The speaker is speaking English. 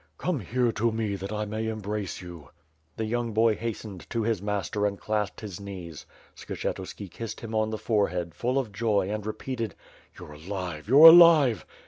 "Come here to me, that I may embrace you." The young boy hastened to his master and clasped his knees. Skshetuski kissed him on the forehead, full of joy and repeated: "You're alive! You're alive!"